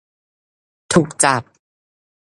ถูกจับ